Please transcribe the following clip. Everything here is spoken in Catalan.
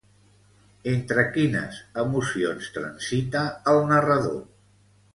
Entre quines emocions transita, el narrador?